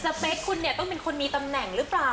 เป๊กคุณเนี่ยต้องเป็นคนมีตำแหน่งหรือเปล่า